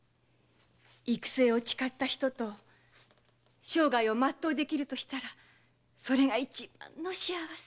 行く末を誓った人と生涯をまっとうできるとしたらそれが一番の幸せ。